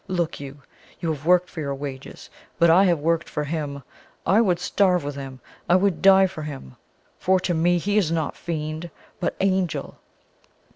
Look you! you have worked for your wages; but I have worked for HIM I would starve with him, I would die for him! For to me he is not fiend, but Angel!"